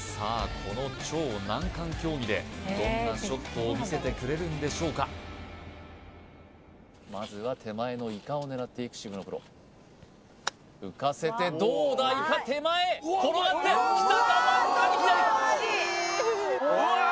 この超難関競技でどんなショットを見せてくれるんでしょうかまずは手前のイカを狙っていく渋野プロ浮かせてどうだイカ手前転がってきたかわずかに左うわ